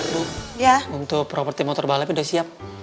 bu ya untuk properti motor balap udah siap